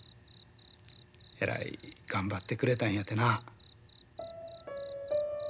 えらい頑張ってくれたんやてな。